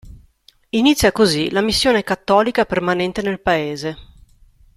Inizia così la missione cattolica permanente nel Paese.